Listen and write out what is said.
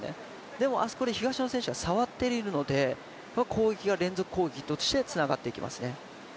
でもあそこで東野選手が触っているので攻撃が連続攻撃としてつながっていきますね。